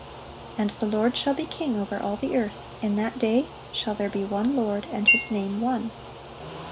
"And the Lord shall be king over all the earth: in that day shall there be one Lord, and His name one."